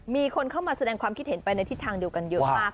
มีคนเข้ามาแสดงความคิดเห็นไปในทิศทางเดียวกันเยอะมาก